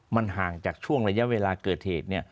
มันห่างจากช่วงระยะเวลาเกิดเหตุ